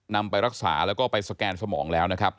นำไปรักษาแล้วก็ไปสแกนสมองแล้วนะครับ